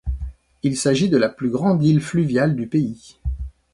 Il s'agit de la plus grande île fluviale du pays.